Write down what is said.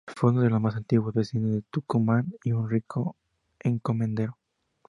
Fue uno de los más antiguos vecinos del Tucumán y un rico encomendero.